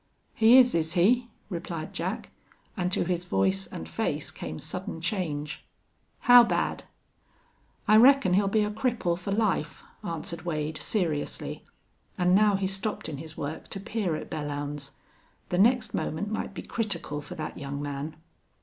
"He is, is he?" replied Jack, and to his voice and face came sudden change. "How bad?" "I reckon he'll be a cripple for life," answered Wade, seriously, and now he stopped in his work to peer at Belllounds. The next moment might be critical for that young man.